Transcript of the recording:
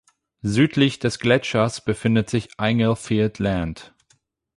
Südlich des Gletschers befindet sich Inglefield Land.